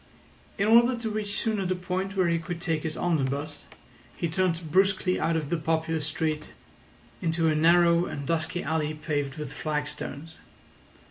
In order to reach sooner the point where he could take his omnibus, he turned brusquely out of the populous street into a narrow and dusky alley paved with flagstones.